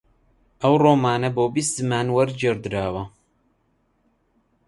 ئەو ڕۆمانە بۆ بیست زمان وەرگێڕدراوە